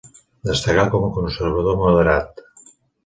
Destacà com a conservador moderat.